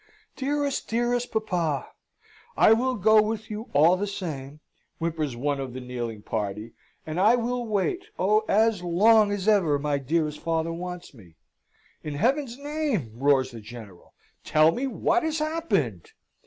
"Dearest, dearest papa! I will go with you all the same!" whimpers one of the kneeling party. "And I will wait oh! as long as ever my dearest father wants me!" "In Heaven's name!" roars the General, "tell me what has happened?"